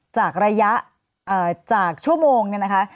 จากระยะจากชั่วโมงเนี่ยนะคะ